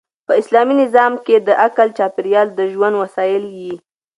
په اسلامي نظام کښي د عقل چاپېریال د ژوند وسایل يي.